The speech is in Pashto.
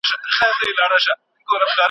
د اسلامي نظام عدل بې ساري دی.